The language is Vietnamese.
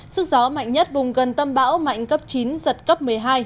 sức gió mạnh nhất vùng gần tâm bão mạnh cấp chín giật cấp một mươi hai